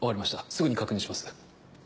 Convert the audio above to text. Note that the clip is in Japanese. すぐに確認します。